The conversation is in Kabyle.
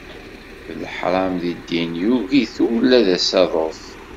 D leḥram di ddin, yugi-t ula d asaḍuf.